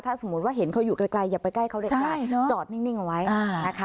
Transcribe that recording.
สมมุติว่าเห็นเขาอยู่ไกลอย่าไปใกล้เขาเลยค่ะจอดนิ่งเอาไว้นะคะ